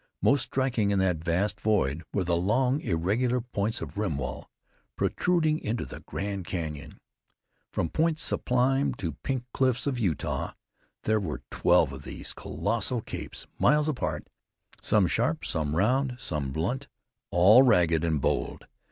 Most striking in that vast void were the long, irregular points of rim wall, protruding into the Grand Canyon. From Point Sublime to the Pink Cliffs of Utah there were twelve of these colossal capes, miles apart, some sharp, some round, some blunt, all rugged and bold.